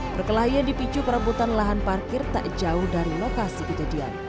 perkelahian di picu perebutan lahan parkir tak jauh dari lokasi itu dia